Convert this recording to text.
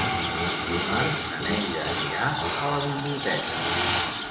Dimarts na Neida anirà a la biblioteca.